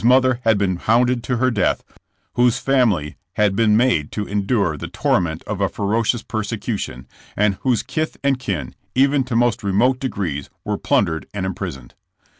57 mother had been hounded to her death, whose family had been made to endure the torment of a ferocious persecution, and whose kith and kin, even to most remote degrees were plundered and imprisoned.